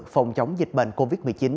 phòng chống dịch bệnh covid một mươi chín